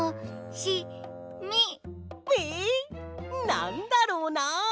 なんだろうな。